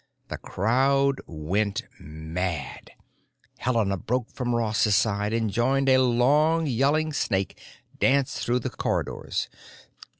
The crowd went mad; Helena broke from Ross's side and joined a long yelling snake dance through the corridors.